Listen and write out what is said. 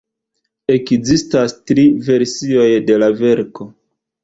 Ekzistas tri versioj de la verko.